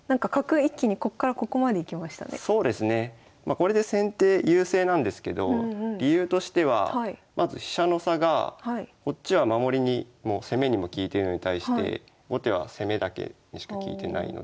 これで先手優勢なんですけど理由としてはまず飛車の差がこっちは守りにも攻めにも利いてるのに対して後手は攻めだけにしか利いてないので。